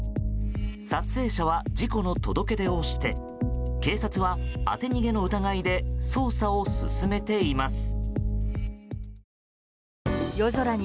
撮影者は事故の届け出をして警察は当て逃げの疑いで捜査を進めています。